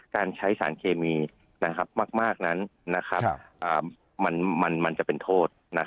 การใช้สารเคมีมากนั้นมันจะเป็นโทษ